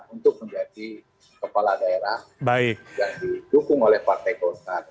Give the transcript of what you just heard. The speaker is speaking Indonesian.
untuk menjadi kepala daerah yang didukung oleh partai golkar